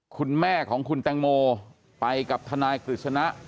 คุณแม่ของคุณแตงโมไปกับทนายกฤษณะ